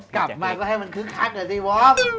กลับมาก็ให้มันคึ้งคักเหรอสิวอร์ม